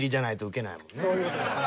そういう事ですね。